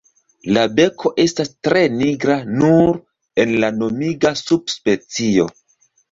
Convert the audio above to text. La beko estas tre nigra nur en la nomiga subspecio.